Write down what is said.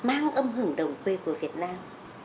âm hưởng đồng quê của việt nam